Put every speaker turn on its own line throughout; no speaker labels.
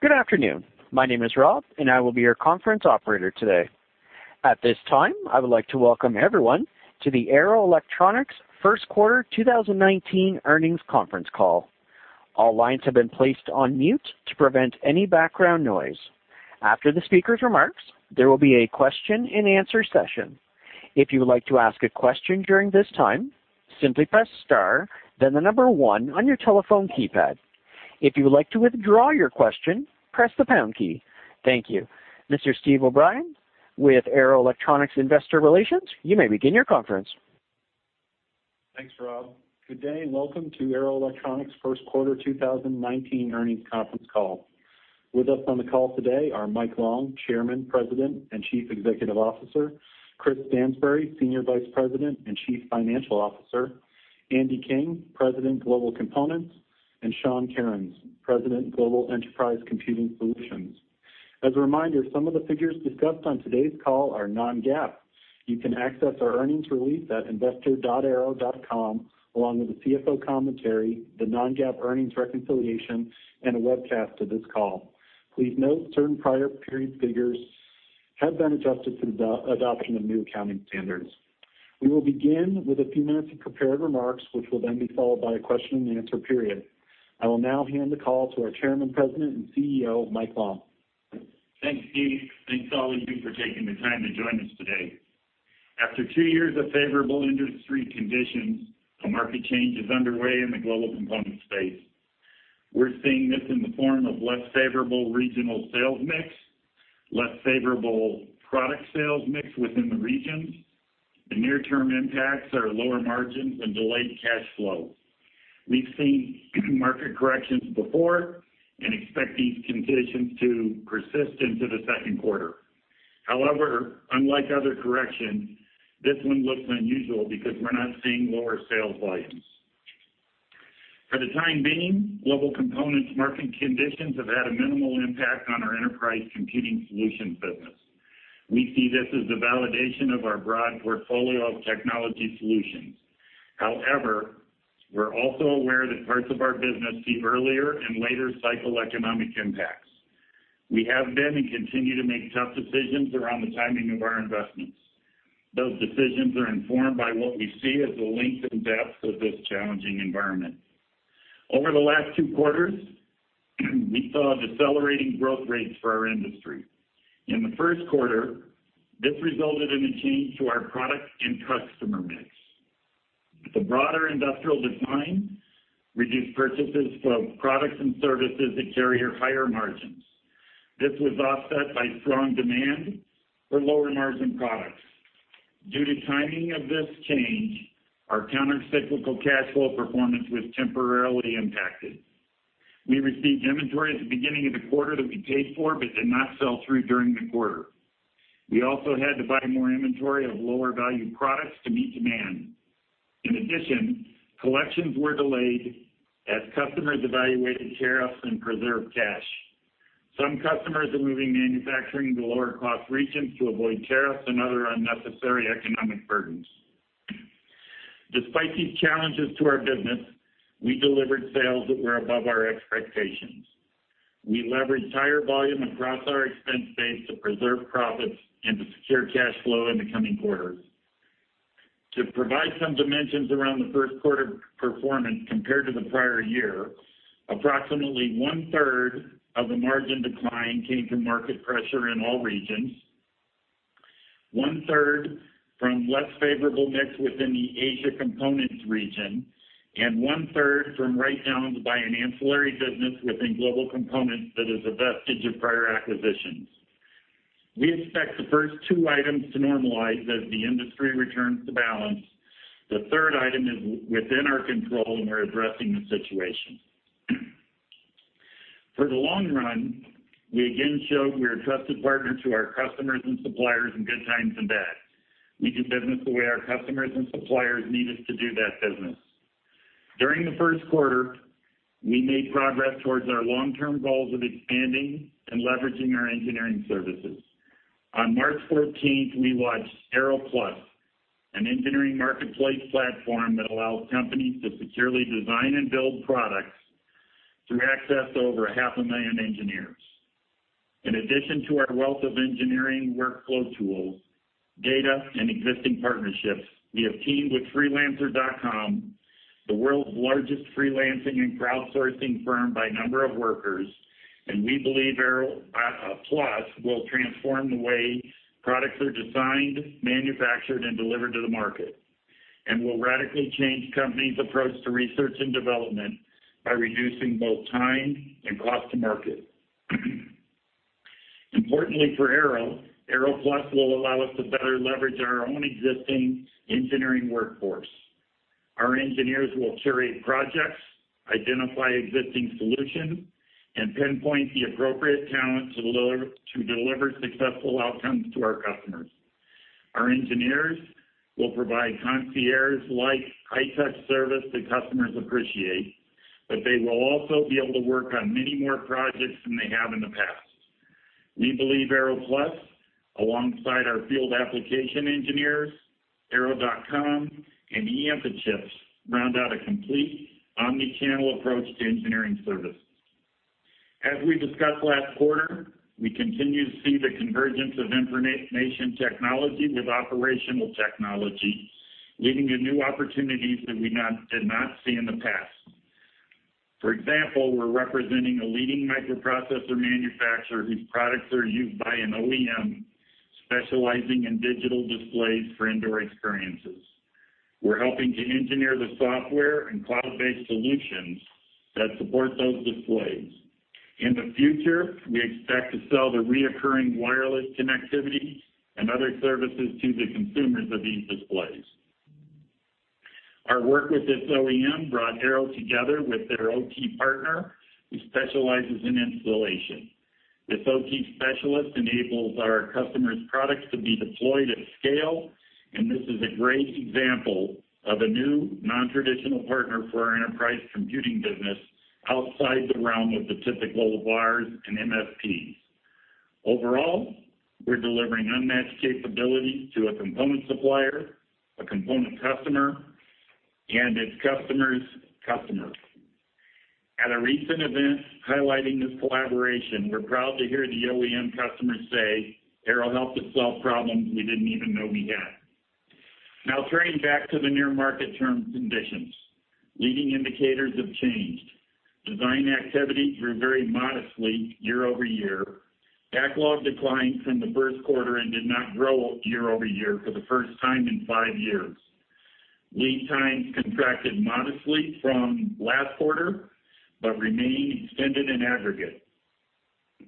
Good afternoon. My name is Rob, and I will be your conference operator today. At this time, I would like to welcome everyone to the Arrow Electronics First Quarter 2019 Earnings Conference Call. All lines have been placed on mute to prevent any background noise. After the speaker's remarks, there will be a question-and-answer session. If you would like to ask a question during this time, simply press star, then the number one on your telephone keypad. If you would like to withdraw your question, press the pound key. Thank you. Mr. Steve O'Brien, with Arrow Electronics Investor Relations, you may begin your conference.
Thanks, Rob. Good day, and welcome to Arrow Electronics' First Quarter 2019 Earnings Conference Call. With us on the call today are Mike Long, Chairman, President, and Chief Executive Officer; Chris Stansbury, Senior Vice President and Chief Financial Officer; Andy King, President, Global Components; and Sean Kerins, President, Global Enterprise Computing Solutions. As a reminder, some of the figures discussed on today's call are non-GAAP. You can access our earnings release at investor.arrow.com, along with the CFO commentary, the non-GAAP earnings reconciliation, and a webcast of this call. Please note, certain prior period figures have been adjusted to the adoption of new accounting standards. We will begin with a few minutes of prepared remarks, which will then be followed by a question-and-answer period. I will now hand the call to our Chairman, President, and CEO, Mike Long.
Thanks, Steve. Thanks to all of you for taking the time to join us today. After two years of favorable industry conditions, a market change is underway in the Global Components space. We're seeing this in the form of less favorable regional sales mix, less favorable product sales mix within the regions. The near-term impacts are lower margins and delayed cash flow. We've seen market corrections before and expect these conditions to persist into the second quarter. However, unlike other corrections, this one looks unusual because we're not seeing lower sales volumes. For the time being, Global Components market conditions have had a minimal impact on our Enterprise Computing Solutions business. We see this as a validation of our broad portfolio of technology solutions. However, we're also aware that parts of our business see earlier and later cycle economic impacts. We have been, and continue to make tough decisions around the timing of our investments. Those decisions are informed by what we see as the length and depth of this challenging environment. Over the last 2 quarters, we saw decelerating growth rates for our industry. In the first quarter, this resulted in a change to our product and customer mix. The broader industrial design reduced purchases from products and services that carry higher margins. This was offset by strong demand for lower-margin products. Due to timing of this change, our countercyclical cash flow performance was temporarily impacted. We received inventory at the beginning of the quarter that we paid for but did not sell through during the quarter. We also had to buy more inventory of lower-value products to meet demand. In addition, collections were delayed as customers evaluated tariffs and preserved cash. Some customers are moving manufacturing to lower-cost regions to avoid tariffs and other unnecessary economic burdens. Despite these challenges to our business, we delivered sales that were above our expectations. We leveraged higher volume across our expense base to preserve profits and to secure cash flow in the coming quarters. To provide some dimensions around the first quarter performance compared to the prior year, approximately one-third of the margin decline came from market pressure in all regions, one-third from less favorable mix within the Asia Components region, and one-third from write-downs by an ancillary business within Global Components that is a vestige of prior acquisitions. We expect the first two items to normalize as the industry returns to balance. The third item is within our control, and we're addressing the situation. For the long run, we again showed we're a trusted partner to our customers and suppliers in good times and bad. We do business the way our customers and suppliers need us to do that business. During the first quarter, we made progress towards our long-term goals of expanding and leveraging our engineering services. On March 14th, we launched ArrowPlus, an engineering marketplace platform that allows companies to securely design and build products through access to over 500,000 engineers. In addition to our wealth of engineering workflow tools, data, and existing partnerships, we have teamed with Freelancer.com, the world's largest freelancing and crowdsourcing firm by number of workers, and we believe ArrowPlus will transform the way products are designed, manufactured, and delivered to the market, and will radically change companies' approach to research and development by reducing both time and cost to market. Importantly for Arrow, ArrowPlus will allow us to better leverage our own existing engineering workforce. Our engineers will curate projects, identify existing solutions, and pinpoint the appropriate talent to deliver successful outcomes to our customers. Our engineers will provide concierge-like high-touch service that customers appreciate, but they will also be able to work on many more projects than they have in the past. We believe ArrowPlus, alongside our field application engineers, arrow.com, and eInfochips, round out a complete omni-channel approach to engineering service. As we discussed last quarter, we continue to see the convergence of information technology with operational technology, leading to new opportunities that we did not see in the past. For example, we're representing a leading microprocessor manufacturer whose products are used by an OEM specializing in digital displays for indoor experiences. We're helping to engineer the software and cloud-based solutions that support those displays. In the future, we expect to sell the recurring wireless connectivity and other services to the consumers of these displays. Our work with this OEM brought Arrow together with their OT partner, who specializes in installation. This OT specialist enables our customers' products to be deployed at scale, and this is a great example of a new, nontraditional partner for our enterprise computing business outside the realm of the typical wires and MSPs. Overall, we're delivering unmatched capabilities to a component supplier, a component customer, and its customer's customer. At a recent event highlighting this collaboration, we're proud to hear the OEM customer say, "Arrow helped us solve problems we didn't even know we had." Now turning back to the near-term market conditions. Leading indicators have changed. Design activity grew very modestly year-over-year. Backlog declined from the first quarter and did not grow year-over-year for the first time in 5 years. Lead times contracted modestly from last quarter, but remain extended in aggregate.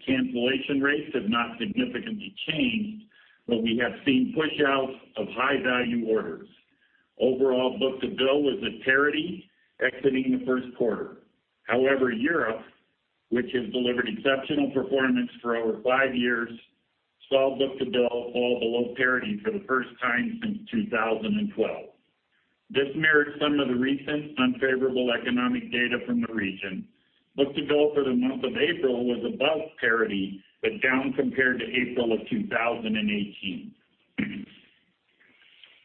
Cancellation rates have not significantly changed, but we have seen pushouts of high-value orders. Overall, book-to-bill was at parity, exiting the first quarter. However, Europe, which has delivered exceptional performance for over 5 years, saw book-to-bill fall below parity for the first time since 2012. This mirrors some of the recent unfavorable economic data from the region. Book-to-bill for the month of April was above parity, but down compared to April of 2018.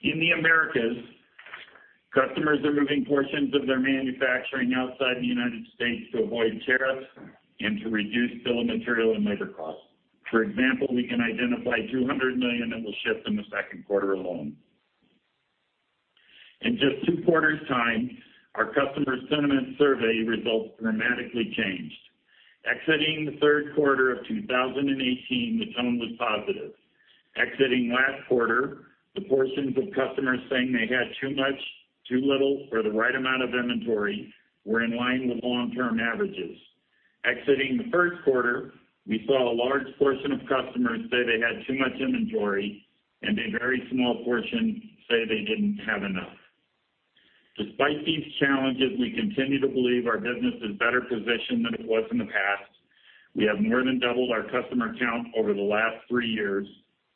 In the Americas, customers are moving portions of their manufacturing outside the United States to avoid tariffs and to reduce bill of material and labor costs. For example, we can identify $200 million that will shift in the second quarter alone. In just two quarters' time, our customer sentiment survey results dramatically changed. Exiting the third quarter of 2018, the tone was positive. Exiting last quarter, the portions of customers saying they had too much, too little, or the right amount of inventory were in line with long-term averages. Exiting the first quarter, we saw a large portion of customers say they had too much inventory, and a very small portion say they didn't have enough. Despite these challenges, we continue to believe our business is better positioned than it was in the past. We have more than doubled our customer count over the last three years,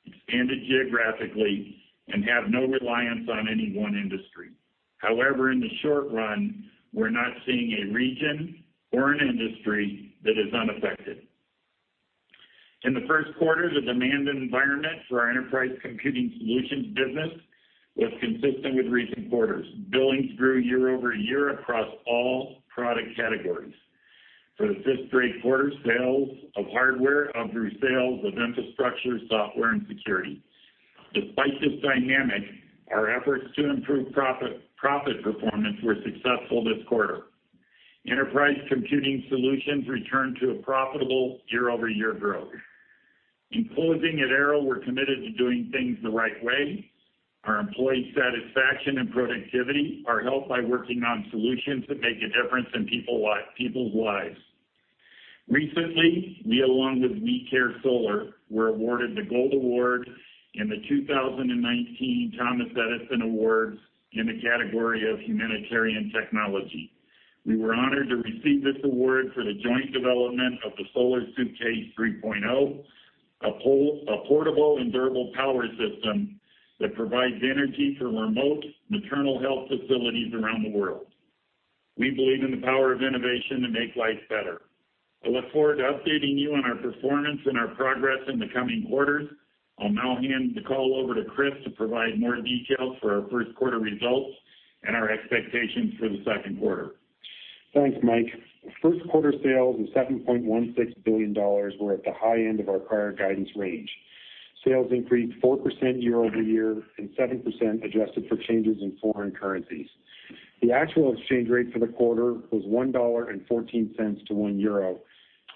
expanded geographically, and have no reliance on any one industry. However, in the short run, we're not seeing a region or an industry that is unaffected. In the first quarter, the demand environment for our enterprise computing solutions business was consistent with recent quarters. Billings grew year-over-year across all product categories. For the fifth straight quarter, sales of hardware outgrew sales of infrastructure, software, and security. Despite this dynamic, our efforts to improve profit, profit performance were successful this quarter. Enterprise computing solutions returned to a profitable year-over-year growth. In closing, at Arrow, we're committed to doing things the right way. Our employee satisfaction and productivity are helped by working on solutions that make a difference in people's lives. Recently, we, along with We Care Solar, were awarded the Gold Award in the 2019 Thomas Edison Award in the category of Humanitarian Technology. We were honored to receive this award for the joint development of the Solar Suitcase 3.0, a portable and durable power system that provides energy for remote maternal health facilities around the world. We believe in the power of innovation to make lives better. I look forward to updating you on our performance and our progress in the coming quarters. I'll now hand the call over to Chris to provide more details for our first quarter results and our expectations for the second quarter.
Thanks, Mike. First quarter sales of $7.16 billion were at the high end of our prior guidance range. Sales increased 4% year-over-year and 7% adjusted for changes in foreign currencies. The actual exchange rate for the quarter was $1.14 to 1 euro,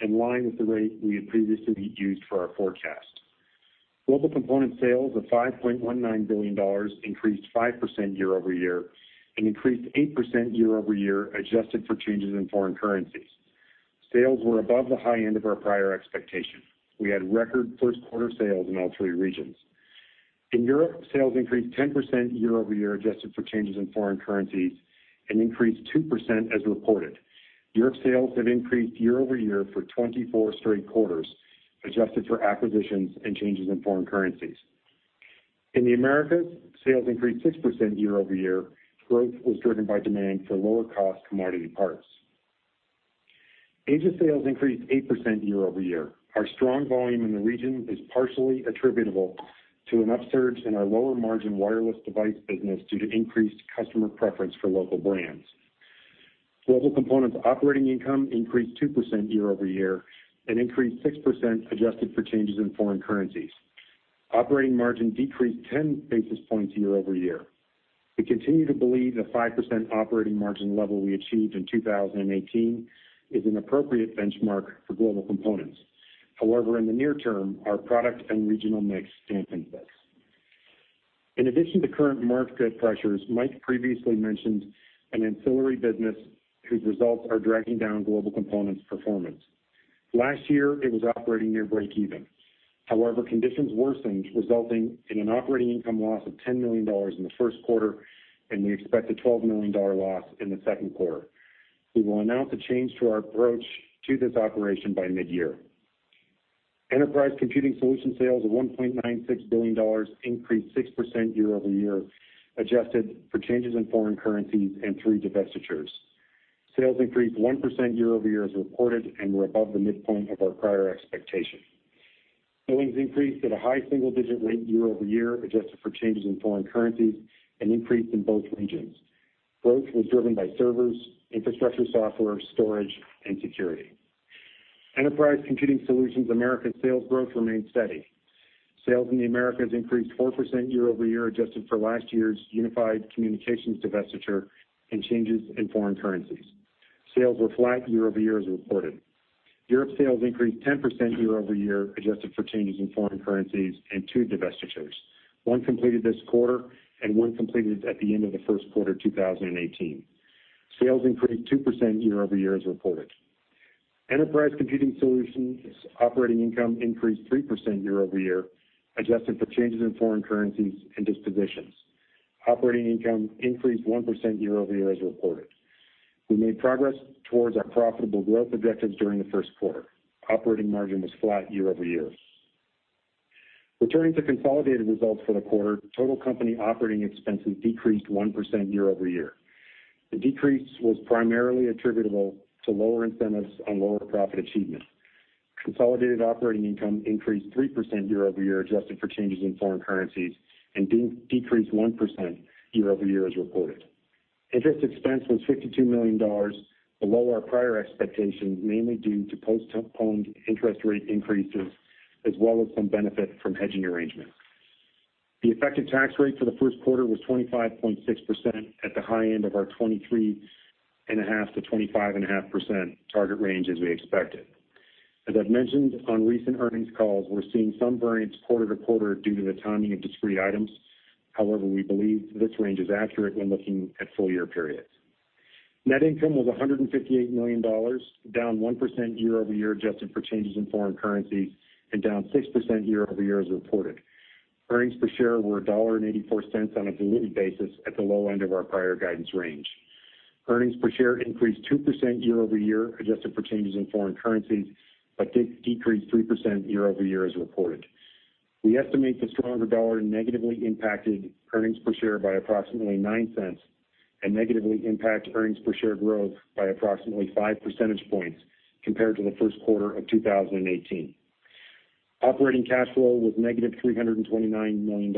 in line with the rate we had previously used for our forecast. Global component sales of $5.19 billion increased 5% year-over-year and increased 8% year-over-year, adjusted for changes in foreign currencies. Sales were above the high end of our prior expectation. We had record first quarter sales in all three regions. In Europe, sales increased 10% year-over-year, adjusted for changes in foreign currencies, and increased 2% as reported. Europe sales have increased year-over-year for 24 straight quarters, adjusted for acquisitions and changes in foreign currencies. In the Americas, sales increased 6% year-over-year. Growth was driven by demand for lower cost commodity parts. Asia sales increased 8% year-over-year. Our strong volume in the region is partially attributable to an upsurge in our lower margin wireless device business due to increased customer preference for local brands. Global Components operating income increased 2% year-over-year and increased 6% adjusted for changes in foreign currencies. Operating margin decreased 10 basis points year-over-year. We continue to believe the 5% operating margin level we achieved in 2018 is an appropriate benchmark for Global Components. However, in the near term, our product and regional mix dampen this. In addition to current market pressures, Mike previously mentioned an ancillary business whose results are dragging down Global Components performance. Last year, it was operating near breakeven. However, conditions worsened, resulting in an operating income loss of $10 million in the first quarter, and we expect a $12 million loss in the second quarter. We will announce a change to our approach to this operation by mid-year. Enterprise Computing Solutions sales of $1.96 billion increased 6% year-over-year, adjusted for changes in foreign currencies and three divestitures. Sales increased 1% year-over-year as reported, and we're above the midpoint of our prior expectation. Billings increased at a high single digit rate year-over-year, adjusted for changes in foreign currencies and increased in both regions. Growth was driven by servers, infrastructure, software, storage, and security. Enterprise Computing Solutions Americas sales growth remained steady. Sales in the Americas increased 4% year-over-year, adjusted for last year's unified communications divestiture and changes in foreign currencies. Sales were flat year-over-year as reported. Europe sales increased 10% year-over-year, adjusted for changes in foreign currencies and two divestitures, one completed this quarter and one completed at the end of the first quarter, 2018. Sales increased 2% year-over-year as reported. Enterprise Computing Solutions operating income increased 3% year-over-year, adjusted for changes in foreign currencies and dispositions. Operating income increased 1% year-over-year as reported. We made progress towards our profitable growth objectives during the first quarter. Operating margin was flat year-over-year. Returning to consolidated results for the quarter, total company operating expenses decreased 1% year-over-year. The decrease was primarily attributable to lower incentives and lower profit achievement. Consolidated operating income increased 3% year-over-year, adjusted for changes in foreign currencies, and decreased 1% year-over-year as reported. Interest expense was $52 million, below our prior expectations, mainly due to postponed interest rate increases, as well as some benefit from hedging arrangements. The effective tax rate for the first quarter was 25.6% at the high end of our 23.5%-25.5% target range, as we expected. As I've mentioned on recent earnings calls, we're seeing some variance quarter-to-quarter due to the timing of discrete items. However, we believe this range is accurate when looking at full year periods. Net income was $158 million, down 1% year-over-year, adjusted for changes in foreign currencies, and down 6% year-over-year as reported. Earnings per share were $1.84 on a diluted basis at the low end of our prior guidance range. Earnings per share increased 2% year-over-year, adjusted for changes in foreign currencies, but did decrease 3% year-over-year as reported. We estimate the stronger dollar negatively impacted earnings per share by approximately $0.09 and negatively impacted earnings per share growth by approximately five percentage points compared to the first quarter of 2018. Operating cash flow was -$329 million.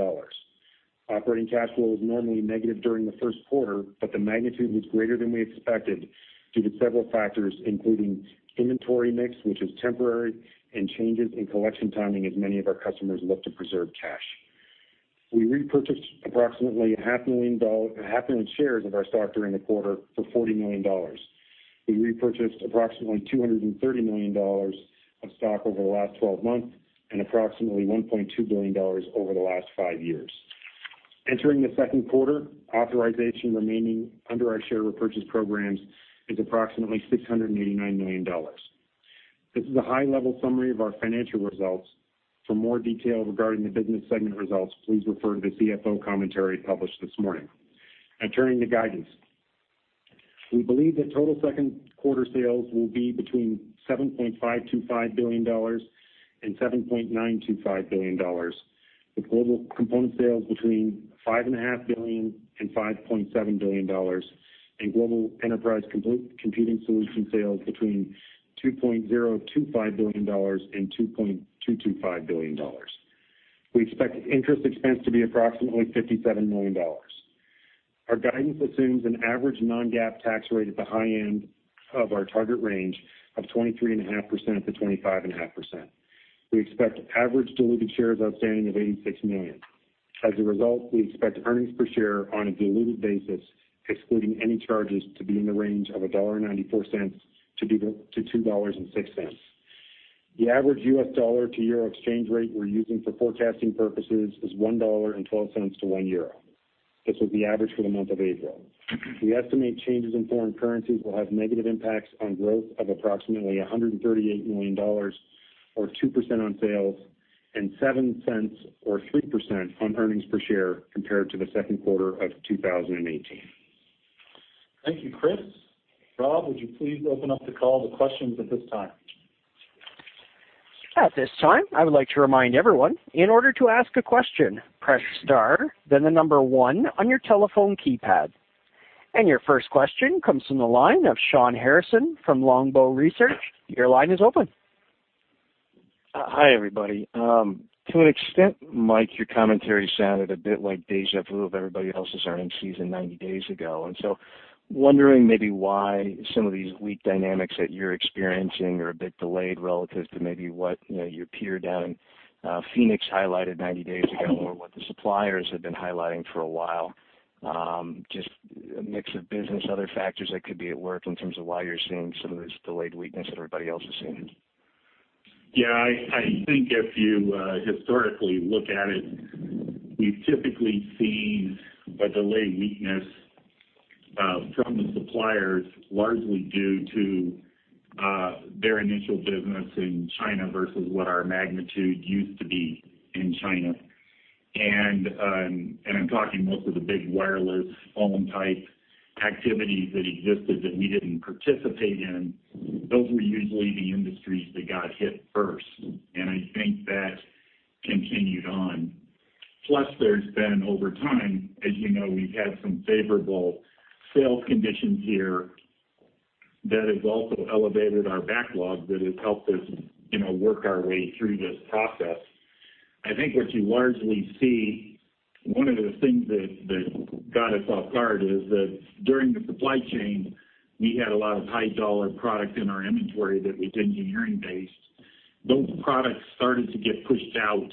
Operating cash flow was normally negative during the first quarter, but the magnitude was greater than we expected due to several factors, including inventory mix, which is temporary, and changes in collection timing, as many of our customers look to preserve cash. We repurchased approximately 500,000 shares of our stock during the quarter for $40 million. We repurchased approximately $230 million of stock over the last 12 months and approximately $1.2 billion over the last five years. Entering the second quarter, authorization remaining under our share repurchase programs is approximately $689 million. This is a high-level summary of our financial results. For more detail regarding the business segment results, please refer to the CFO commentary published this morning. Now turning to guidance. We believe that total second quarter sales will be between $7.525 billion and $7.925 billion, with Global Components sales between $5.5 billion and $5.7 billion, and Global Enterprise Computing Solutions sales between $2.025 billion and $2.225 billion. We expect interest expense to be approximately $57 million. Our guidance assumes an average non-GAAP tax rate at the high end of our target range of 23.5%-25.5%. We expect average diluted shares outstanding of 86 million. As a result, we expect earnings per share on a diluted basis, excluding any charges, to be in the range of $1.94-$2.06. The average US dollar to euro exchange rate we're using for forecasting purposes is $1.12 to 1 euro. This was the average for the month of April. We estimate changes in foreign currencies will have negative impacts on growth of approximately $138 million or 2% on sales, and $0.07 or 3% on earnings per share compared to the second quarter of 2018.
Thank you, Chris. Rob, would you please open up the call to questions at this time?
At this time, I would like to remind everyone, in order to ask a question, press star, then the number one on your telephone keypad. Your first question comes from the line of Shawn Harrison from Longbow Research. Your line is open.
Hi, everybody. To an extent, Mike, your commentary sounded a bit like déjà vu of everybody else's earnings season 90 days ago. Wondering maybe why some of these weak dynamics that you're experiencing are a bit delayed relative to maybe what, you know, your peer down in Phoenix highlighted 90 days ago, or what the suppliers have been highlighting for a while? Just a mix of business, other factors that could be at work in terms of why you're seeing some of this delayed weakness that everybody else is seeing.
Yeah, I think if you historically look at it, we've typically seen a delayed weakness from the suppliers, largely due to their initial business in China versus what our magnitude used to be in China. And I'm talking most of the big wireless phone-type activities that existed that we didn't participate in. Those were usually the industries that got hit first, and I think that continued on. Plus, there's been, over time, as you know, we've had some favorable sales conditions here that has also elevated our backlog, that has helped us, you know, work our way through this process. I think what you largely see, one of the things that got us off guard is that during the supply chain, we had a lot of high dollar product in our inventory that was engineering-based. Those products started to get pushed out,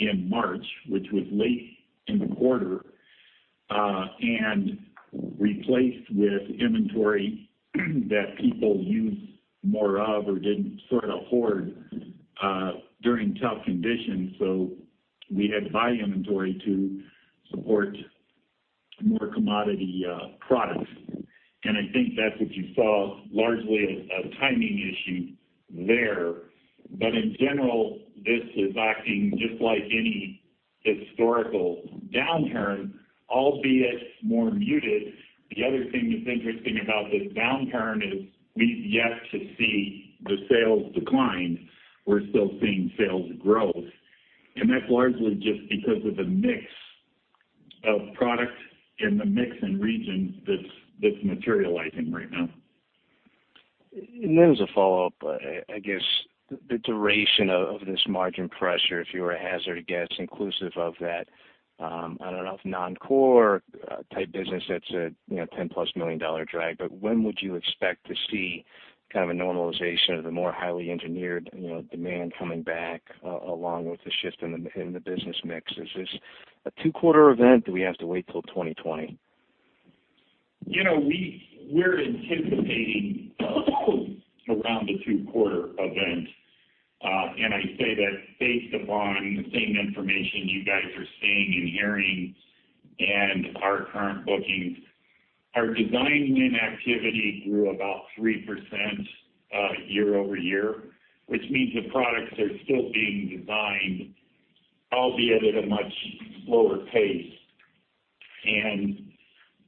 in March, which was late in the quarter, and replaced with inventory that people use more of or didn't sort of hoard, during tough conditions. So we had to buy inventory to support more commodity, products. And I think that's what you saw, largely a timing issue there. But in general, this is acting just like any historical downturn, albeit more muted. The other thing that's interesting about this downturn is we've yet to see the sales decline. We're still seeing sales growth, and that's largely just because of the mix of products and the mix in regions that's materializing right now.
Then as a follow-up, I guess the duration of this margin pressure, if you were to hazard a guess, inclusive of that, I don't know, non-core type business, that's a, you know, $10+ million drag. But when would you expect to see kind of a normalization of the more highly engineered, you know, demand coming back, along with the shift in the business mix? Is this a two-quarter event? Do we have to wait till 2020?
You know, we're anticipating around a two-quarter event. And I say that based upon the same information you guys are seeing and hearing and our current bookings. Our design win activity grew about 3%, year-over-year, which means the products are still being designed, albeit at a much slower pace. And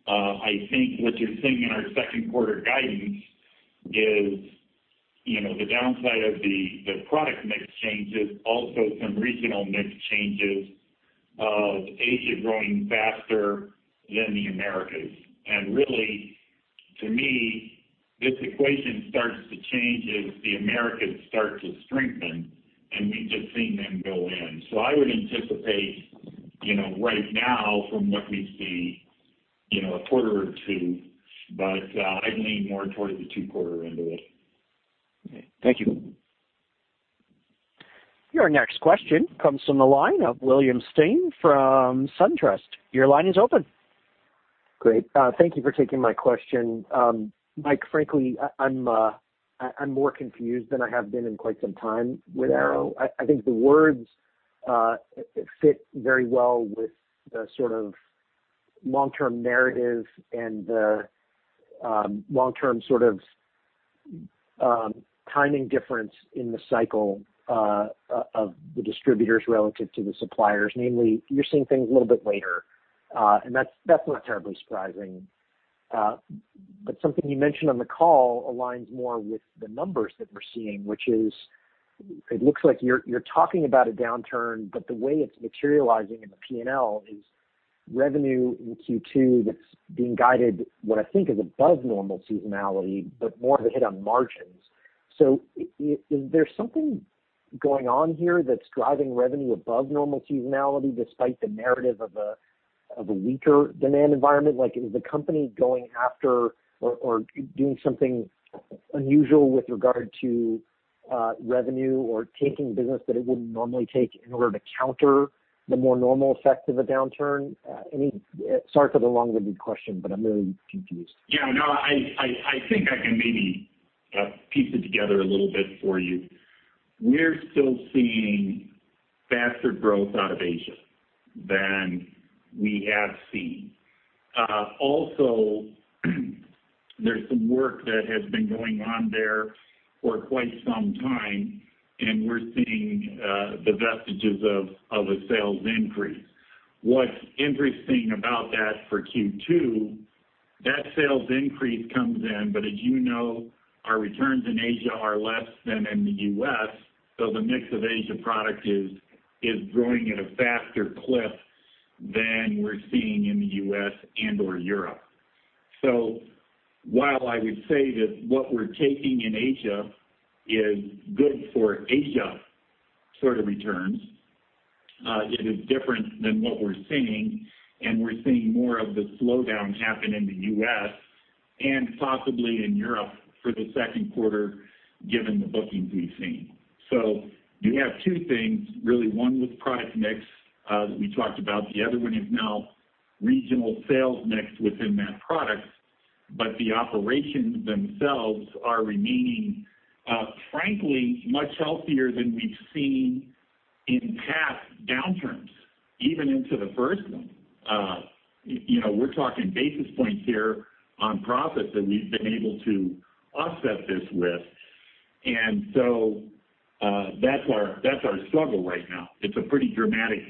I think what you're seeing in our second quarter guidance is, you know, the downside of the product mix changes, also some regional mix changes, of Asia growing faster than the Americas. And really, to me, this equation starts to change as the Americas start to strengthen, and we've just seen them go in. So I would anticipate, you know, right now, from what we see, you know, a quarter or two, but I'd lean more towards the two-quarter end of it.
Okay. Thank you.
Your next question comes from the line of William Stein from SunTrust. Your line is open.
Great. Thank you for taking my question. Mike, frankly, I'm more confused than I have been in quite some time with Arrow. I think the words fit very well with the sort of long-term narrative and the long-term sort of timing difference in the cycle of the distributors relative to the suppliers. Namely, you're seeing things a little bit later, and that's not terribly surprising. But something you mentioned on the call aligns more with the numbers that we're seeing, which is, it looks like you're talking about a downturn, but the way it's materializing in the PNL is revenue in Q2 that's being guided, what I think is above normal seasonality, but more of a hit on margins. So is there something going on here that's driving revenue above normal seasonality despite the narrative of a weaker demand environment? Like, is the company going after or doing something unusual with regard to revenue or taking business that it wouldn't normally take in order to counter the more normal effects of a downturn? Sorry for the long-winded question, but I'm really confused.
Yeah, no, I think I can maybe piece it together a little bit for you. We're still seeing faster growth out of Asia than we have seen. Also, there's some work that has been going on there for quite some time, and we're seeing the vestiges of a sales increase. What's interesting about that for Q2. That sales increase comes in, but as you know, our returns in Asia are less than in the U.S., so the mix of Asia product is growing at a faster clip than we're seeing in the U.S. and or Europe. So while I would say that what we're taking in Asia is good for Asia sort of returns, it is different than what we're seeing, and we're seeing more of the slowdown happen in the U.S. and possibly in Europe for the second quarter, given the bookings we've seen. So you have two things, really, one with product mix, that we talked about. The other one is now regional sales mix within that product, but the operations themselves are remaining, frankly, much healthier than we've seen in past downturns, even into the first one. You know, we're talking basis points here on profits that we've been able to offset this with. And so, that's our, that's our struggle right now. It's a pretty dramatic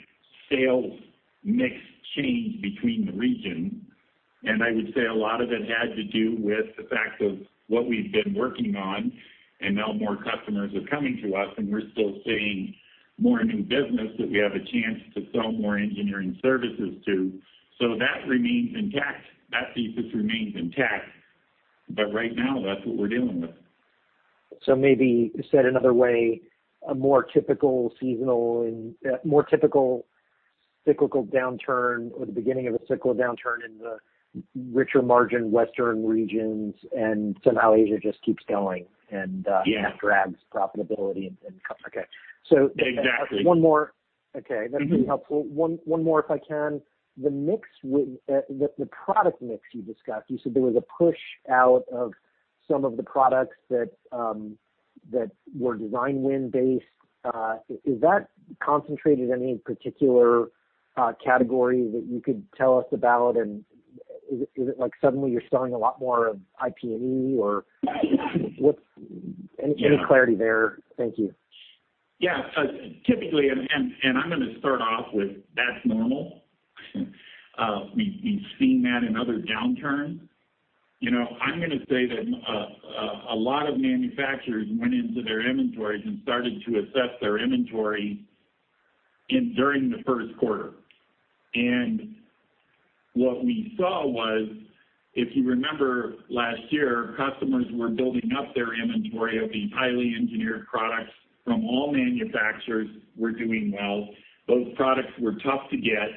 sales mix change between the regions. I would say a lot of it had to do with the fact of what we've been working on, and now more customers are coming to us, and we're still seeing more new business that we have a chance to sell more engineering services to. So that remains intact. That thesis remains intact, but right now, that's what we're dealing with.
So maybe said another way, a more typical seasonal and, more typical cyclical downturn or the beginning of a cyclical downturn in the richer margin western regions, and somehow Asia just keeps going and that drags profitability and, okay.
Exactly.
So one more. Okay, that's been helpful. One more, if I can. The mix with the product mix you discussed, you said there was a push out of some of the products that were Design win based. Is that concentrated in any particular category that you could tell us about? And is it like suddenly you're selling a lot more of IP&E, or any clarity there? Thank you.
Yeah. Typically, I'm gonna start off with, that's normal. We've seen that in other downturns. You know, I'm gonna say that a lot of manufacturers went into their inventories and started to assess their inventory in during the first quarter. And what we saw was, if you remember last year, customers were building up their inventory of the highly engineered products from all manufacturers were doing well. Those products were tough to get,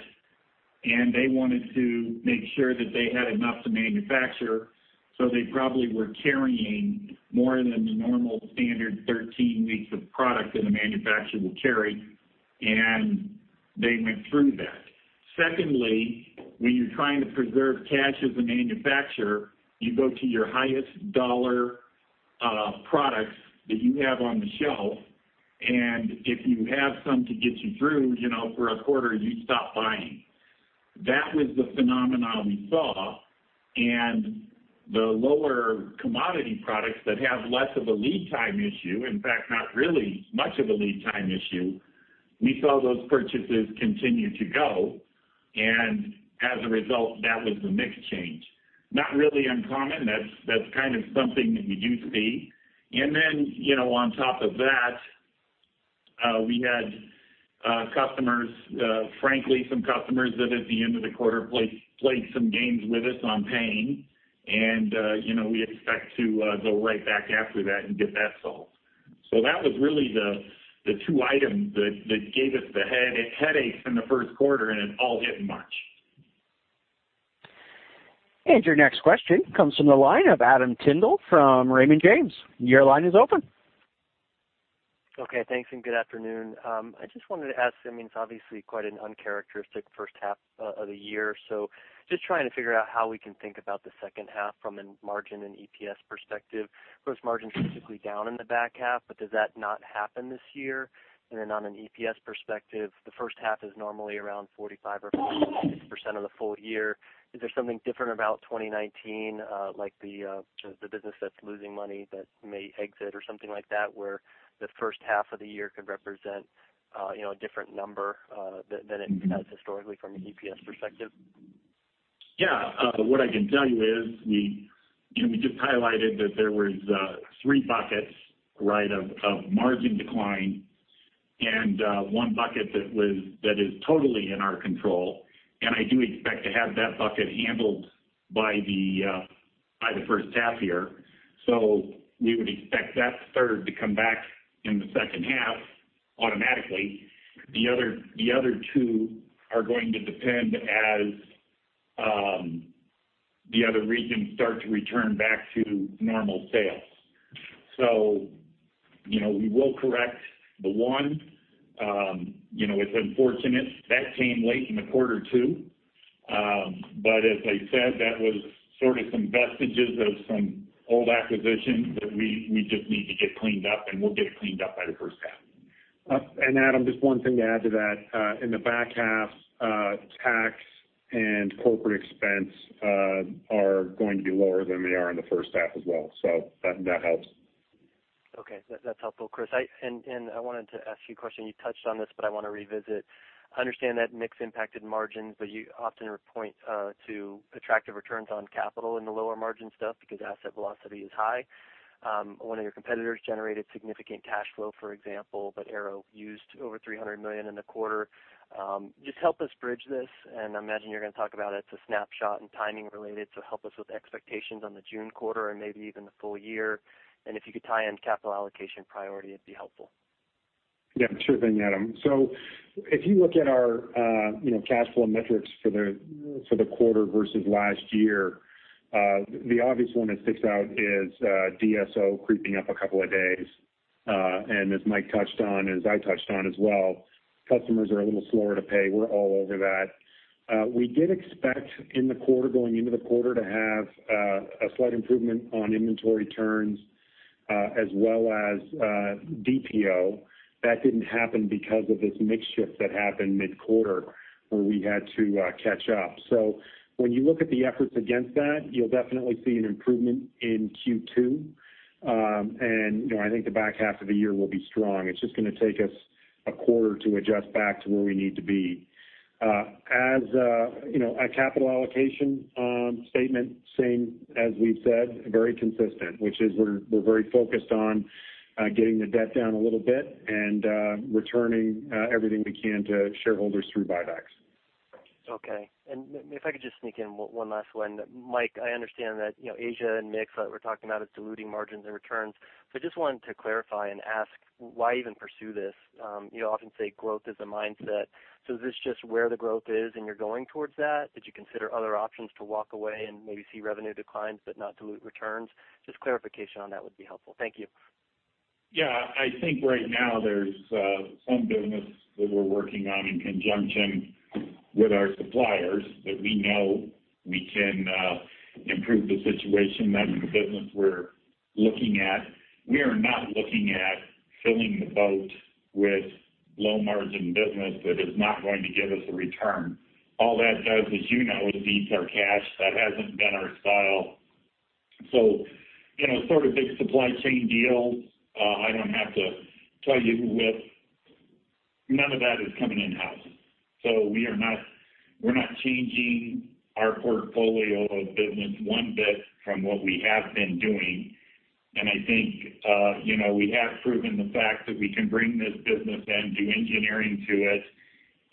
and they wanted to make sure that they had enough to manufacture, so they probably were carrying more than the normal standard 13 weeks of product that a manufacturer will carry, and they went through that. Secondly, when you're trying to preserve cash as a manufacturer, you go to your highest dollar products that you have on the shelf, and if you have some to get you through, you know, for a quarter, you stop buying. That was the phenomenon we saw, and the lower commodity products that have less of a lead time issue, in fact, not really much of a lead time issue, we saw those purchases continue to go, and as a result, that was the mix change. Not really uncommon. That's kind of something that you do see. And then, you know, on top of that, we had customers, frankly, some customers that at the end of the quarter played some games with us on paying, and, you know, we expect to go right back after that and get that solved. So that was really the two items that gave us the headache in the first quarter, and it all hit in March.
Your next question comes from the line of Adam Tindle from Raymond James. Your line is open.
Okay, thanks, and good afternoon. I just wanted to ask, I mean, it's obviously quite an uncharacteristic first half of the year, so just trying to figure out how we can think about the second half from a margin and EPS perspective. Gross margin is typically down in the back half, but does that not happen this year? And then on an EPS perspective, the first half is normally around 45% or 50% of the full year. Is there something different about 2019, like the, the business that's losing money that may exit or something like that, where the first half of the year could represent, you know, a different number than, than it has historically from an EPS perspective?
Yeah, what I can tell you is we, you know, we just highlighted that there was three buckets, right, of margin decline and one bucket that is totally in our control, and I do expect to have that bucket handled by the first half year. So we would expect that third to come back in the second half automatically. The other two are going to depend as the other regions start to return back to normal sales. So, you know, we will correct the one. You know, it's unfortunate that came late in the quarter, too. But as I said, that was sort of some vestiges of some old acquisitions that we just need to get cleaned up, and we'll get it cleaned up by the first half.
And Adam, just one thing to add to that. In the back half, tax and corporate expense are going to be lower than they are in the first half as well, so that, that helps.
Okay, that's helpful, Chris. I wanted to ask you a question. You touched on this, but I wanna revisit. I understand that mix impacted margins, but you often point to attractive returns on capital in the lower margin stuff because asset velocity is high. One of your competitors generated significant cash flow, for example, but Arrow used over $300 million in the quarter. Just help us bridge this, and I imagine you're gonna talk about it's a snapshot and timing related, so help us with expectations on the June quarter and maybe even the full year. And if you could tie in capital allocation priority, it'd be helpful.
Yeah, sure thing, Adam. So if you look at our, you know, cash flow metrics for the quarter versus last year, the obvious one that sticks out is DSO creeping up a couple of days. And as Mike touched on, as I touched on as well, customers are a little slower to pay. We're all over that. We did expect in the quarter, going into the quarter, to have a slight improvement on inventory turns, as well as DPO. That didn't happen because of this mix shift that happened mid-quarter, where we had to catch up. So when you look at the efforts against that, you'll definitely see an improvement in Q2. And, you know, I think the back half of the year will be strong. It's just gonna take us a quarter to adjust back to where we need to be. As you know, a capital allocation statement, same as we've said, very consistent, which is we're, we're very focused on getting the debt down a little bit and returning everything we can to shareholders through buybacks.
Okay. If I could just sneak in one last one. Mike, I understand that, you know, Asia and mix that we're talking about is diluting margins and returns. So I just wanted to clarify and ask, why even pursue this? You often say growth is a mindset, so is this just where the growth is and you're going towards that? Did you consider other options to walk away and maybe see revenue declines but not dilute returns? Just clarification on that would be helpful. Thank you.
Yeah. I think right now there's some business that we're working on in conjunction with our suppliers that we know we can improve the situation. That's the business we're looking at. We are not looking at filling the boat with low-margin business that is not going to give us a return. All that does is, you know, it eats our cash. That hasn't been our style. So, you know, sort of big supply chain deals, I don't have to tell you who with, none of that is coming in-house. So we are not, we're not changing our portfolio of business one bit from what we have been doing. And I think, you know, we have proven the fact that we can bring this business in, do engineering to it,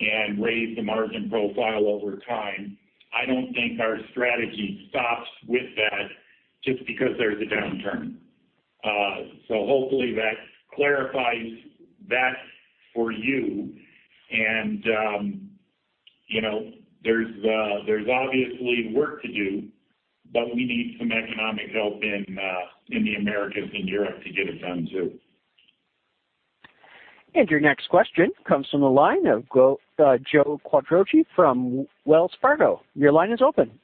and raise the margin profile over time. I don't think our strategy stops with that just because there's a downturn. So hopefully, that clarifies that for you. You know, there's obviously work to do, but we need some economic help in the Americas and Europe to get it done, too.
Your next question comes from the line of Joe Quatrochi from Wells Fargo. Your line is open.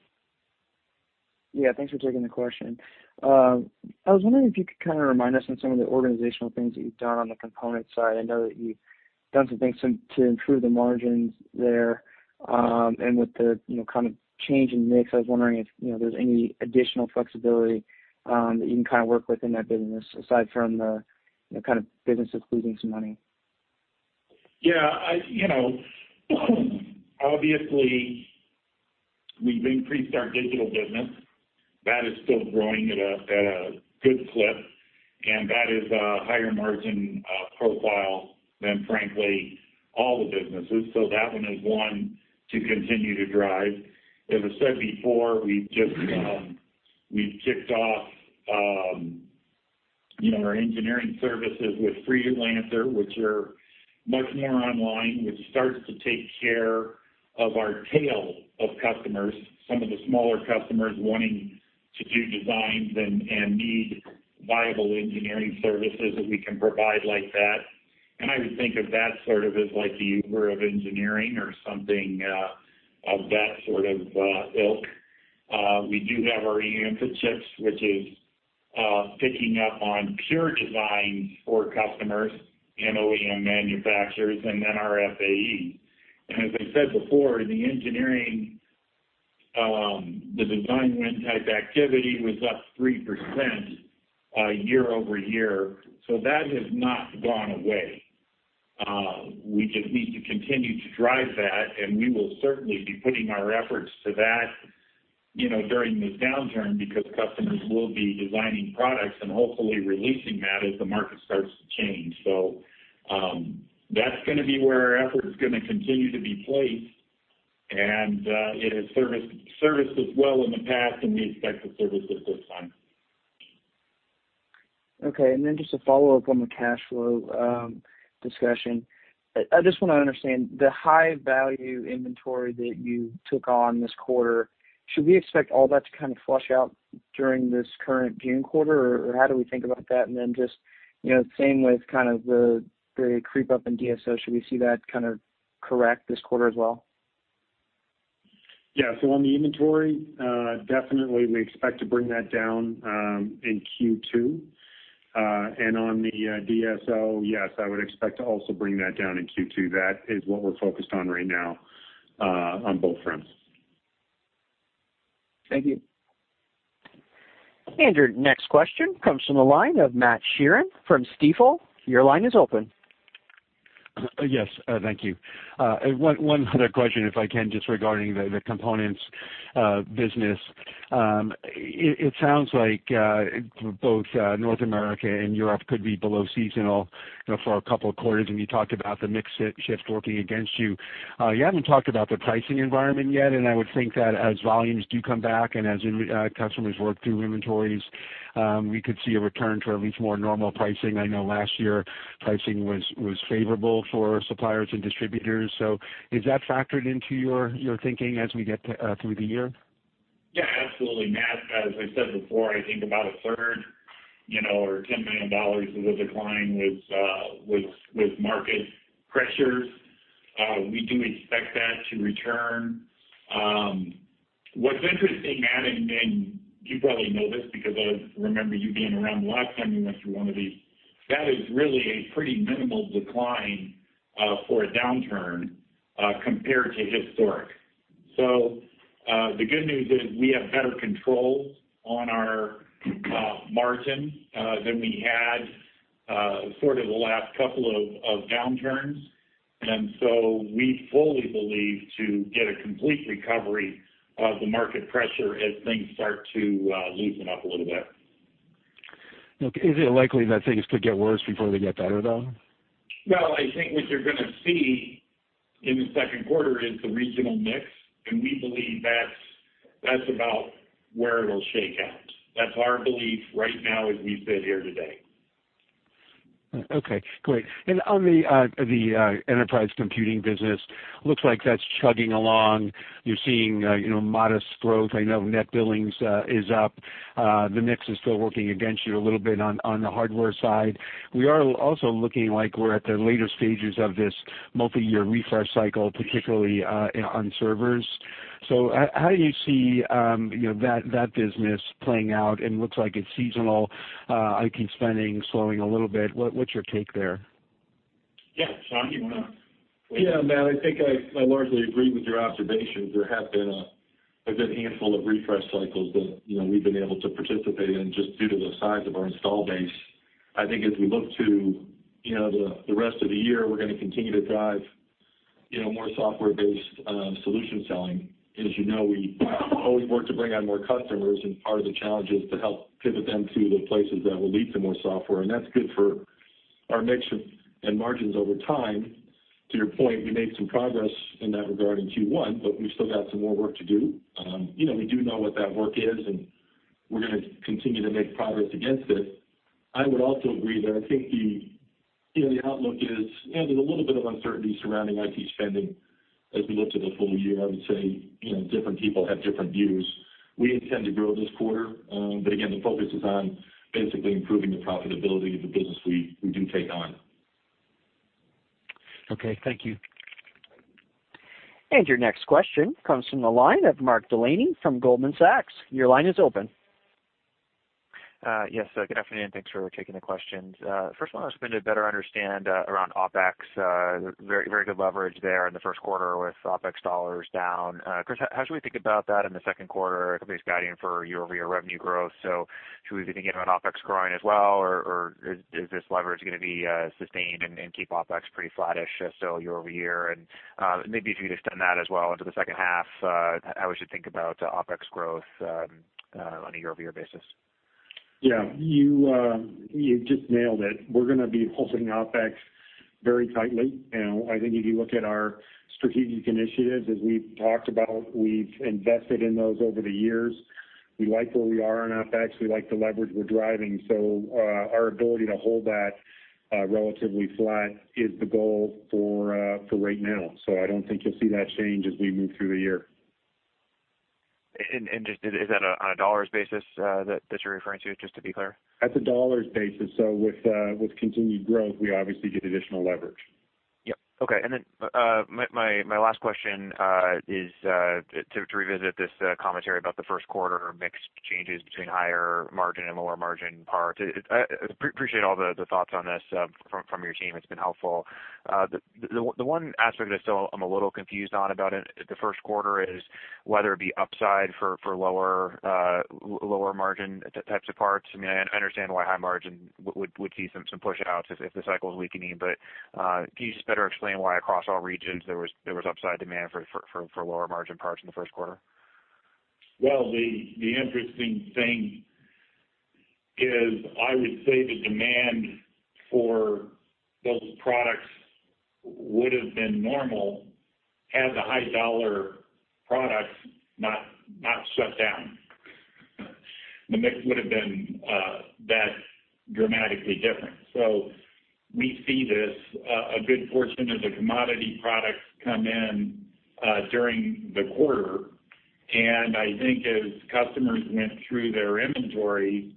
Yeah, thanks for taking the question. I was wondering if you could kind of remind us on some of the organizational things that you've done on the component side. I know that you've done some things to improve the margins there. And with the, you know, kind of change in mix, I was wondering if, you know, there's any additional flexibility that you can kind of work with in that business, aside from the kind of business is losing some money?
Yeah, you know, obviously, we've increased our digital business. That is still growing at a good clip, and that is a higher margin profile than frankly, all the businesses. So that one is one to continue to drive. As I said before, we've just kicked off, you know, our engineering services with Freelancer, which are much more online, which starts to take care of our tail of customers, some of the smaller customers wanting to do designs and need viable engineering services that we can provide like that. And I would think of that sort of as like the Uber of engineering or something, of that sort of ilk. We do have our eInfochips, which is picking up on pure designs for customers, OEM manufacturers, and then our FAE. As I said before, the engineering, the design win type activity was up 3%, year-over-year. So that has not gone away. We just need to continue to drive that, and we will certainly be putting our efforts to that, you know, during this downturn, because customers will be designing products and hopefully releasing that as the market starts to change. So, that's gonna be where our effort is gonna continue to be placed, and, it has serviced us well in the past, and we expect to service us this time.
Okay, and then just a follow-up on the cash flow discussion. I just wanna understand, the high value inventory that you took on this quarter, should we expect all that to kind of flush out during this current June quarter? Or, or how do we think about that? And then just, you know, same with kind of the very creep up in DSO. Should we see that kind of correct this quarter as well?
Yeah. So on the inventory, definitely we expect to bring that down in Q2. And on the DSO, yes, I would expect to also bring that down in Q2. That is what we're focused on right now on both fronts.
Thank you.
Your next question comes from the line of Matt Sheerin from Stifel. Your line is open.
Yes, thank you. One other question, if I can, just regarding the components business. It sounds like both North America and Europe could be below seasonal, you know, for a couple of quarters, and you talked about the mix shift working against you. You haven't talked about the pricing environment yet, and I would think that as volumes do come back and as customers work through inventories, we could see a return to at least more normal pricing. I know last year, pricing was favorable for suppliers and distributors. So is that factored into your thinking as we get through the year?
Yeah, absolutely, Matt. As I said before, I think about a third, you know, or $10 million of the decline was market pressures. We do expect that to return. What's interesting, Matt, and you probably know this because I remember you being around the last time we went through one of these, that is really a pretty minimal decline for a downturn compared to historic. So, the good news is we have better controls on our margin than we had sort of the last couple of downturns. And so we fully believe to get a complete recovery of the market pressure as things start to loosen up a little bit.
Okay. Is it likely that things could get worse before they get better, though?
Well, I think what you're gonna see in the second quarter is the regional mix, and we believe that's, that's about where it'll shake out. That's our belief right now as we sit here today.
Okay, great. And on the enterprise computing business, looks like that's chugging along. You're seeing, you know, modest growth. I know net billings is up. The mix is still working against you a little bit on the hardware side. We are also looking like we're at the later stages of this multiyear refresh cycle, particularly on servers. So how do you see, you know, that business playing out? And looks like it's seasonal, IT spending slowing a little bit. What's your take there?
Yeah, Sean, you wanna?
Yeah, Matt, I think I largely agree with your observations. There's been a handful of refresh cycles that, you know, we've been able to participate in just due to the size of our install base. I think as we look to you know the rest of the year, we're gonna continue to drive, you know, more software-based solution selling. As you know, we always work to bring on more customers, and part of the challenge is to help pivot them to the places that will lead to more software, and that's good for our mix of and margins over time. To your point, we made some progress in that regard in Q1, but we've still got some more work to do. You know, we do know what that work is, and we're gonna continue to make progress against it. I would also agree that I think the, you know, the outlook is, you know, there's a little bit of uncertainty surrounding IT spending. As we look to the full year, I would say, you know, different people have different views. We intend to grow this quarter, but again, the focus is on basically improving the profitability of the business we do take on.
Okay, thank you.
Your next question comes from the line of Mark Delaney from Goldman Sachs. Your line is open.
Yes, good afternoon, and thanks for taking the questions. First one, I was wanting to better understand around OpEx. Very, very good leverage there in the first quarter with OpEx dollars down. Chris, how should we think about that in the second quarter, company's guiding for year-over-year revenue growth? So should we be thinking about OpEx growing as well, or, or is, is this leverage gonna be sustained and, and keep OpEx pretty flattish as to year-over-year? And, maybe if you could extend that as well into the second half, how we should think about OpEx growth on a year-over-year basis.
Yeah, you, you just nailed it. We're gonna be holding OpEx very tightly, and I think if you look at our strategic initiatives, as we've talked about, we've invested in those over the years. We like where we are in OpEx. We like the leverage we're driving, so, our ability to hold that, relatively flat is the goal for, for right now. So I don't think you'll see that change as we move through the year.
And just, is that on a dollars basis, that you're referring to, just to be clear?
That's a dollars basis, so with continued growth, we obviously get additional leverage.
Yep, okay. And then, my last question is to revisit this commentary about the first quarter mix changes between higher margin and lower margin parts. Appreciate all the thoughts on this from your team. It's been helpful. The one aspect I still am a little confused on about it, the first quarter, is whether it be upside for lower margin types of parts. I mean, I understand why high margin would see some pushouts if the cycle is weakening, but can you just better explain why across all regions there was upside demand for lower-margin parts in the first quarter?
Well, the interesting thing is, I would say the demand for those products would have been normal had the high-dollar products not shut down. The mix would have been that dramatically different. So we see this a good portion of the commodity products come in during the quarter, and I think as customers went through their inventory,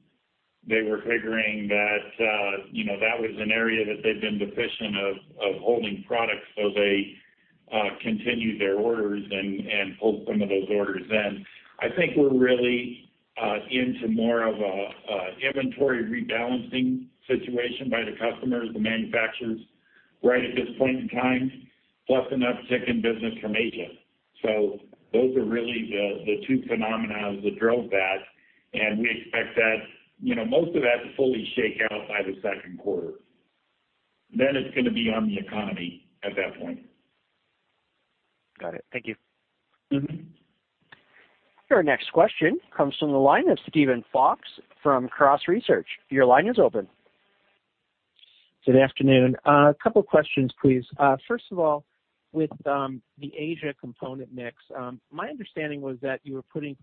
they were figuring that, you know, that was an area that they've been deficient of holding products, so they continued their orders and pulled some of those orders in. I think we're really into more of a inventory rebalancing situation by the customers, the manufacturers right at this point in time, plus enough chicken business from Asia. So those are really the two phenomena that drove that, and we expect that, you know, most of that to fully shake out by the second quarter. Then it's gonna be on the economy at that point.
Got it. Thank you.
Your next question comes from the line of Steven Fox from Cross Research. Your line is open.
Good afternoon. A couple questions, please. First of all, with the Asia component mix, my understanding was that you were putting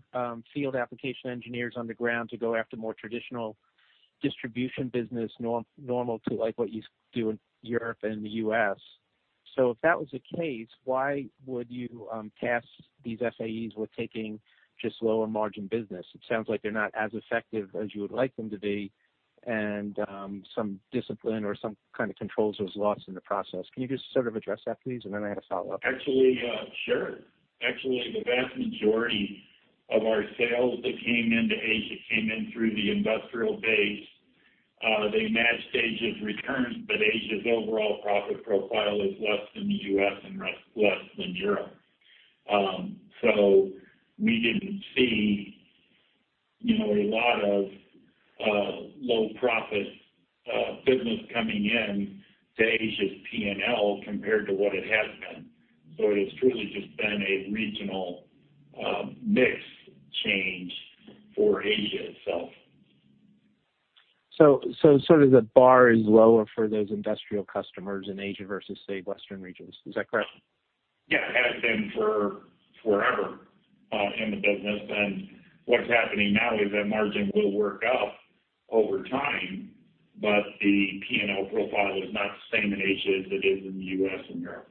field application engineers on the ground to go after more traditional distribution business, normal to like what you do in Europe and the U.S. So if that was the case, why would you task these FAEs with taking just lower margin business? It sounds like they're not as effective as you would like them to be, and some discipline or some kind of controls was lost in the process. Can you just sort of address that, please? And then I have a follow-up.
Actually, sure. Actually, the vast majority of our sales that came into Asia came in through the industrial base. They matched Asia's returns, but Asia's overall profit profile is less than the U.S. and less, less than Europe. So we didn't see, you know, a lot of low profit business coming in to Asia's PNL compared to what it has been. So it has truly just been a regional mix change for Asia itself.
So, sort of the bar is lower for those industrial customers in Asia versus, say, Western regions. Is that correct?
Yeah, it has been for forever in the business. What's happening now is that margin will work up over time, but the PNL profile is not the same in Asia as it is in the U.S. and Europe.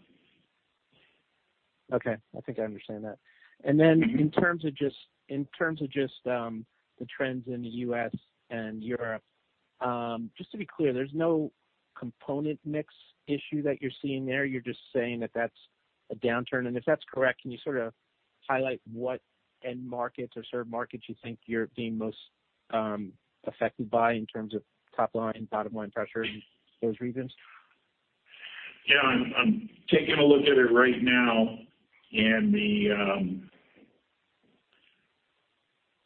Okay, I think I understand that. And then in terms of just the trends in the U.S. and Europe, just to be clear, there's no component mix issue that you're seeing there? You're just saying that that's a downturn. And if that's correct, can you sort of highlight what end markets or served markets you think you're being most affected by in terms of top line, bottom line pressure in those regions?
Yeah, I'm taking a look at it right now, and the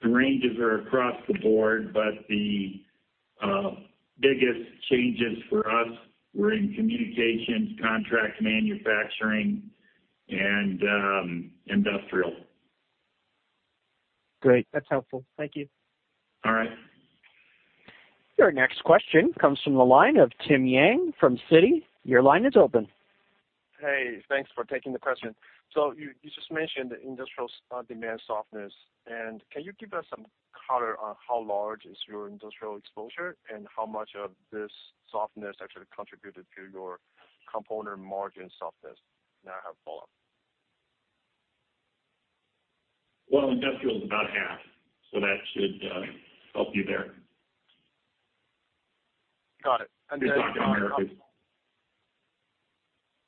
ranges are across the board, but the biggest changes for us were in communications, contract manufacturing, and industrial.
Great. That's helpful. Thank you.
All right.
Your next question comes from the line of Tim Yang from Citi. Your line is open.
Hey, thanks for taking the question. So you, you just mentioned the industrial demand softness, and can you give us some color on how large is your industrial exposure, and how much of this softness actually contributed to your component margin softness? I have a follow-up.
Well, industrial is about half, so that should help you there.
Got it.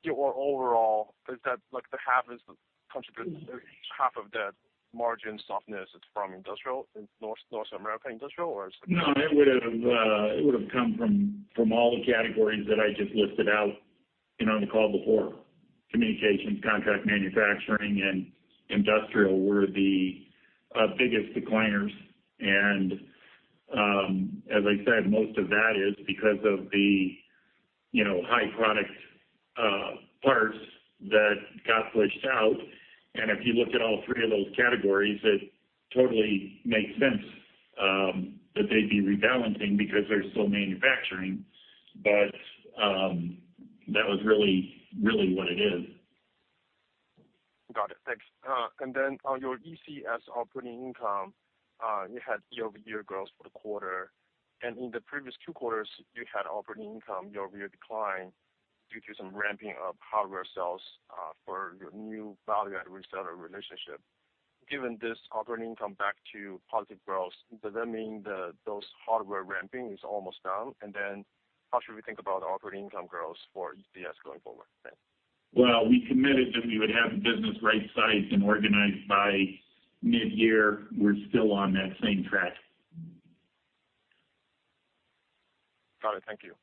Yeah, well, overall, is that like the half is the contribution, half of the margin softness is from industrial, in North America industrial, or is it?
No, it would've come from, from all the categories that I just listed out, you know, on the call before. Communications, contract manufacturing, and industrial were the biggest decliners. And, as I said, most of that is because of the, you know, high product parts that got pushed out. And if you look at all three of those categories, it totally makes sense that they'd be rebalancing because they're still manufacturing. But, that was really, really what it is.
Got it. Thanks. And then on your ECS operating income, you had year-over-year growth for the quarter, and in the previous two quarters, you had operating income year-over-year decline due to some ramping of hardware sales for your new value-add reseller relationship. Given this operating income back to positive growth, does that mean the those hardware ramping is almost done? And then how should we think about operating income growth for ECS going forward? Thanks.
Well, we committed that we would have the business right-sized and organized by mid-year. We're still on that same track.
Got it. Thank you.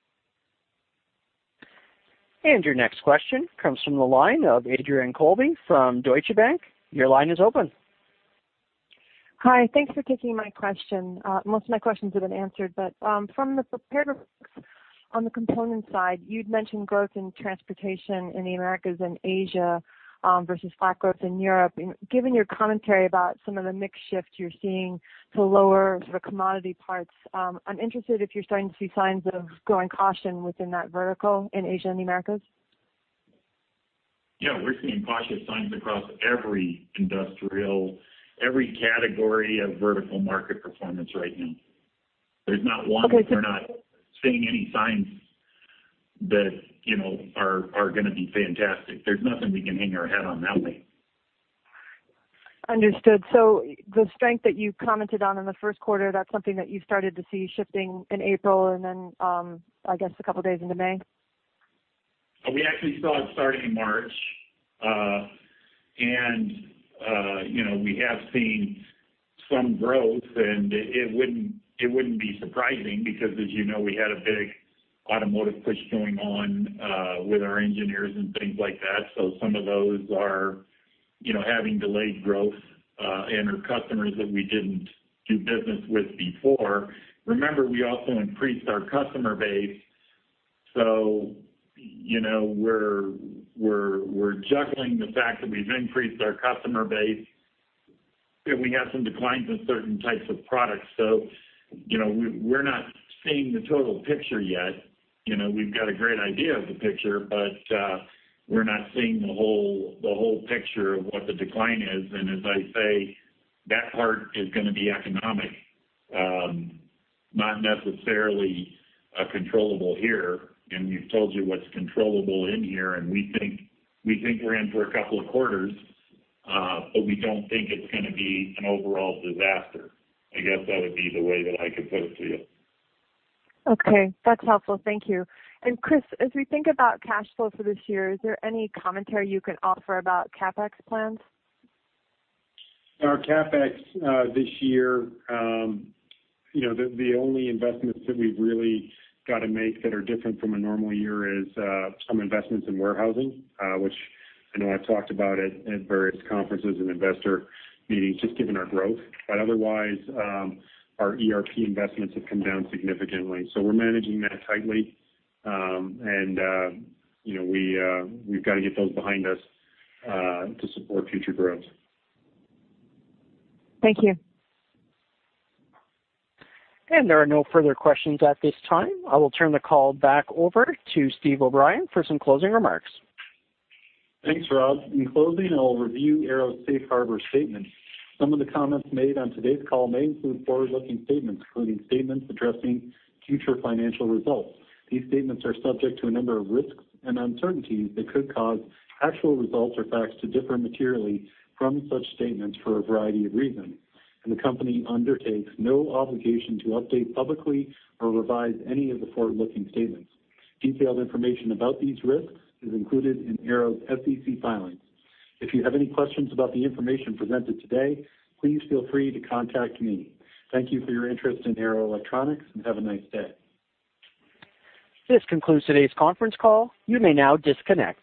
Your next question comes from the line of Adrienne Colby from Deutsche Bank. Your line is open.
Hi, thanks for taking my question. Most of my questions have been answered, but, from the prepared remarks on the component side, you'd mentioned growth in transportation in the Americas and Asia, versus flat growth in Europe. And given your commentary about some of the mix shifts you're seeing to lower the commodity parts, I'm interested if you're starting to see signs of growing caution within that vertical in Asia and the Americas.
Yeah, we're seeing cautious signs across every industrial, every category of vertical market performance right now. There's not one we're not seeing any signs that, you know, are, are gonna be fantastic. There's nothing we can hang our hat on that way.
Understood. So the strength that you commented on in the first quarter, that's something that you started to see shifting in April and then, I guess, a couple days into May?
We actually saw it start in March. You know, we have seen some growth, and it wouldn't be surprising because, as you know, we had a big automotive push going on with our engineers and things like that. So some of those are, you know, having delayed growth, and are customers that we didn't do business with before. Remember, we also increased our customer base, so, you know, we're juggling the fact that we've increased our customer base, yet we have some declines in certain types of products. So, you know, we, we're not seeing the total picture yet. You know, we've got a great idea of the picture, but, we're not seeing the whole picture of what the decline is. As I say, that part is gonna be economic, not necessarily controllable here, and we've told you what's controllable in here, and we think we're in for a couple of quarters, but we don't think it's gonna be an overall disaster. I guess that would be the way that I could put it to you.
Okay, that's helpful. Thank you. And Chris, as we think about cash flow for this year, is there any commentary you can offer about CapEx plans?
Our CapEx this year, you know, the only investments that we've really got to make that are different from a normal year is some investments in warehousing, which I know I've talked about at various conferences and investor meetings, just given our growth. But otherwise, our ERP investments have come down significantly. So we're managing that tightly. And you know, we've got to get those behind us to support future growth.
Thank you.
There are no further questions at this time. I will turn the call back over to Steve O'Brien for some closing remarks.
Thanks, Rob. In closing, I'll review Arrow's safe harbor statement. Some of the comments made on today's call may include forward-looking statements, including statements addressing future financial results. These statements are subject to a number of risks and uncertainties that could cause actual results or facts to differ materially from such statements for a variety of reasons. And the company undertakes no obligation to update publicly or revise any of the forward-looking statements. Detailed information about these risks is included in Arrow's SEC filings. If you have any questions about the information presented today, please feel free to contact me. Thank you for your interest in Arrow Electronics, and have a nice day.
This concludes today's conference call. You may now disconnect.